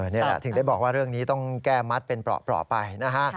นี่แหละถึงได้บอกว่าเรื่องนี้ต้องแก้มัดเป็นเปราะไปนะฮะ